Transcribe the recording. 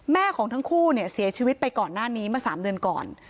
ของทั้งคู่เนี่ยเสียชีวิตไปก่อนหน้านี้เมื่อ๓เดือนก่อน